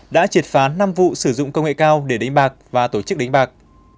đã triệt phá năm vụ sử dụng công nghệ cao để đánh bạc và tổ chức đánh bạc